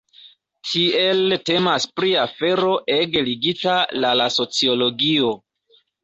Tiele temas pri afero ege ligita la la sociologio.